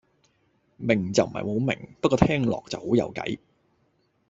明就唔係好明，不過聽落就好有計